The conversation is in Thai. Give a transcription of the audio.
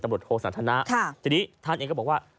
ตำรวจโฆษณฑณะทีนี้ท่านเองก็บอกว่า